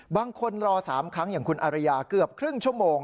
บางคนรอ๓ครั้งอย่างคุณอารยาเกือบครึ่งชั่วโมง